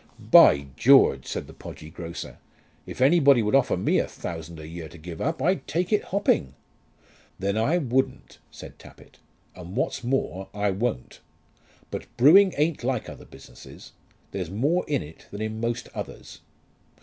"By George!" said the podgy grocer, "if anybody would offer me a thousand a year to give up, I'd take it hopping." "Then I wouldn't," said Tappitt, "and what's more, I won't. But brewing ain't like other businesses; there's more in it than in most others."